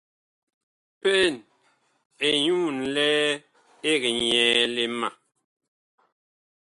Peen ɛ nyu ŋlɛɛ eg nyɛɛle ma.